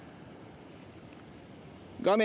画面